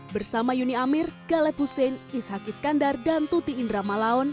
bersama yuni amir galep hussein ishak iskandar dan tuti indra malaon